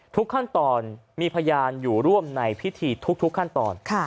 ทุกขั้นตอนมีพยานอยู่ร่วมในพิธีทุกขั้นตอน